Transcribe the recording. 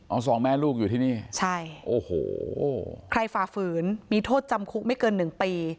เอาสองแม่ลูกอยู่ที่นี่ใช่โอ้โหใครฝ่าฝืนมีโทษจำคุกไม่เกินหนึ่งปี